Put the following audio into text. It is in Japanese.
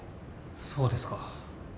そうですか。